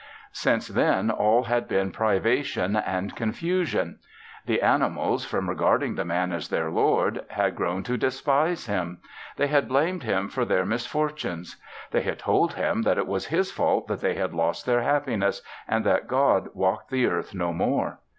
Since then all had been privation and confusion. The animals, from regarding the Man as their lord, had grown to despise him. They had blamed him for their misfortunes. They had told him that it was his fault that they had lost their happiness and that God walked the earth no more.